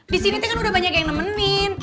disini kan udah banyak yang nemenin